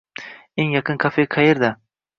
Eng yaqin kafe qayerda?